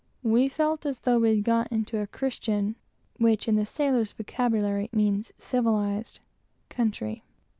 We felt as though we had got into a Christian (which in the sailor's vocabulary means civilized) country.